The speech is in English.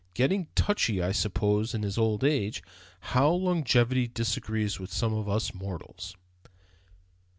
"Getting touchy, I suppose, in his old age. How longevity disagrees with some of us mortals."